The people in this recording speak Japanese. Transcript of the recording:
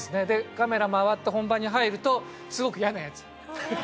カメラ回って本番に入ると、すごく嫌なやつ。